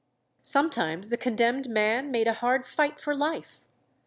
Sometimes the condemned man made a hard fight for life.